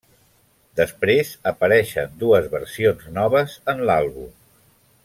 Després apareixen dues versions noves en l'àlbum.